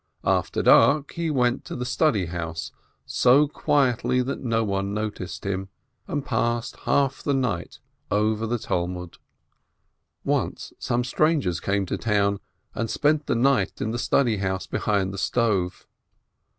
After dark he went into the house of study, so quietly that no one noticed him, and passed half the night over the Talmud. Once some strangers came to the town, and spent the night in the house of study behind the stove.